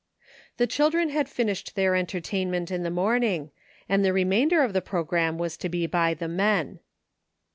The children had finished their entertainment in the morning, and the remainder of the program was to be by the men.